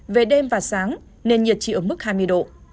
về đêm và sáng nền nhiệt chỉ ở mức hai mươi độ